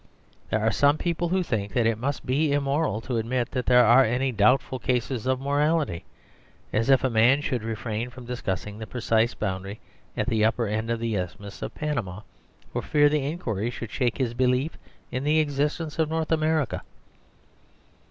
There are some people who think that it must be immoral to admit that there are any doubtful cases of morality, as if a man should refrain from discussing the precise boundary at the upper end of the Isthmus of Panama, for fear the inquiry should shake his belief in the existence of North America.